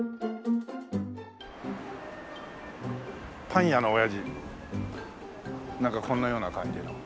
「パン屋のオヤジ」なんかこんなような感じの。